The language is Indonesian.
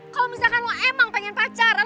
kalo misalkan lo emang pengen pacaran